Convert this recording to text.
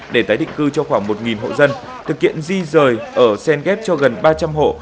để tái định cư cho khoảng một hộ dân thực hiện di rời ở sen ghép cho gần ba trăm linh hộ